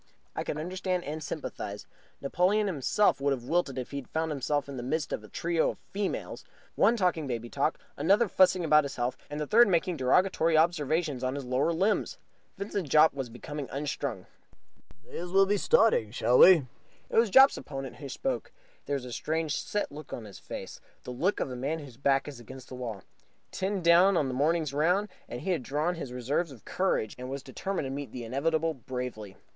I could understand and sympathize. Napoleon himself would have wilted if he had found himself in the midst of a trio of females, one talking baby talk, another fussing about his health, and the third making derogatory observations on his lower limbs. Vincent Jopp was becoming unstrung. "May as well be starting, shall we?" It was Jopp's opponent who spoke. There was a strange, set look on his face the look of a man whose back is against the wall. Ten down on the morning's round, he had drawn on his reserves of courage and was determined to meet the inevitable bravely.